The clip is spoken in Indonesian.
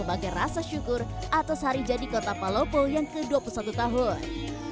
atas hari jadi kota palopo yang ke dua puluh satu tahun